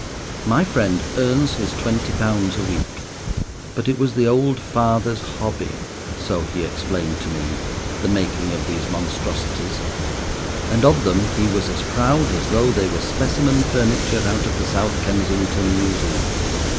My friend earns his twenty pounds a week, but it was the old father's hobby, so he explained to me, the making of these monstrosities; and of them he was as proud as though they were specimen furniture out of the South Kensington Museum.